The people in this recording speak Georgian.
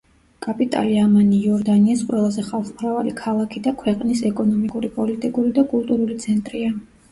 კაპიტალი ამანი იორდანიის ყველაზე ხალხმრავალი ქალაქი და ქვეყნის ეკონომიკური, პოლიტიკური და კულტურული ცენტრია.